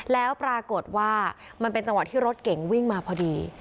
แล้วปรากฏว่ามันเป็นจังหวะที่รถเก่งวิ่งมาพอดี